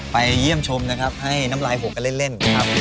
ไปเยี่ยมชมนะครับให้น้ำลายผมกันเล่น